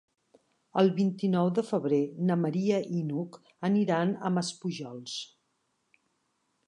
El vint-i-nou de febrer na Maria i n'Hug aniran a Maspujols.